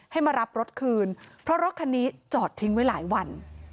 ให้มารับรถคืนเพราะรถคันนี้จอดทิ้งไว้หลายวัน